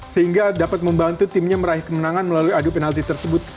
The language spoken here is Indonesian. sehingga dapat membantu timnya meraih kemenangan melalui adu penalti tersebut